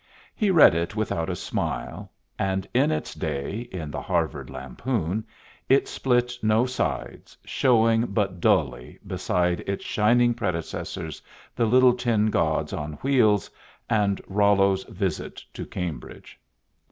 'He read it without a smile ; and in its day, in the Harvard Lampoon, it split no sides, showing but dully beside its shining predecessors, The Little Tin Gods on Wheels, and Rollo's Visit to Cambridge.